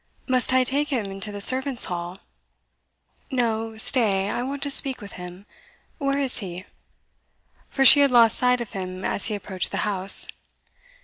Must I take him into the servants' hall?" "No; stay, I want to speak with him Where is he?" for she had lost sight of him as he approached the house.